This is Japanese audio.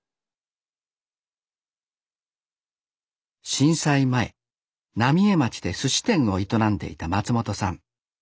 震災前浪江町ですし店を営んでいた松本さん。